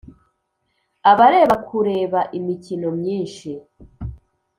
abareba kureba imikino myinshi